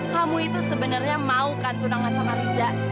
kamu itu sebenarnya maukan tunangan sama riza